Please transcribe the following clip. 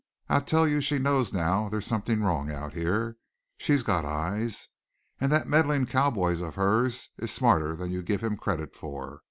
I tell you she knows now there's something wrong out here. She's got eyes. And that meddling cowboy of hers is smarter than you give him credit for.